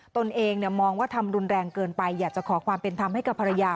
ตนเองมองว่าทำรุนแรงเกินไปอยากจะขอความเป็นธรรมให้กับภรรยา